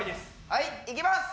はいいきます。